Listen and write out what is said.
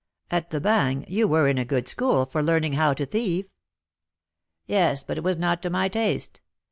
"At the Bagne, you were in a good school for learning how to thieve?" "Yes, but it was not to my taste.